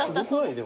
でも。